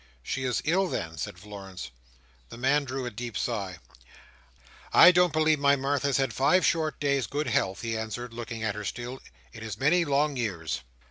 "She is ill, then!" said Florence. The man drew a deep sigh. "I don't believe my Martha's had five short days' good health," he answered, looking at her still, "in as many long years."